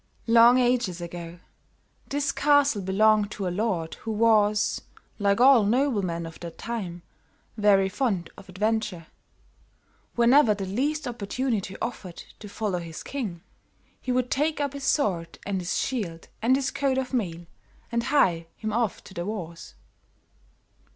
"Long ages ago, this castle belonged to a lord who was, like all noblemen of that time, very fond of adventure. Whenever the least opportunity offered to follow his king, he would take up his sword and his shield and his coat of mail, and hie him off to the wars.